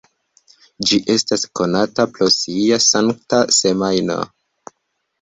Ĝi estas konata pro sia Sankta Semajno.